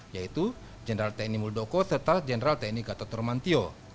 yaitu jenderal tni muldoko serta jenderal tni gatotur mantio